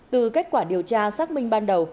từ kết quả điều tra xác minh ban đầu